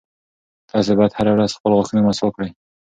تاسي باید هره ورځ خپل غاښونه مسواک کړئ.